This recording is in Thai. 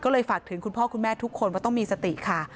ก็เลยฝากถึงคุณพ่อคุณแม่ทุกคนว่าต้องมีสติค่ะ